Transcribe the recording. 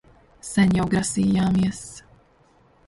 Sen jau grasījāmies...